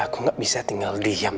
aku gak bisa tinggal diam